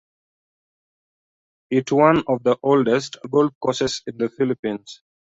It one of the oldest golf courses in the Philippines.